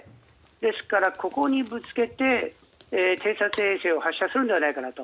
ですから、ここにぶつけて偵察衛星を発射するんじゃないかと。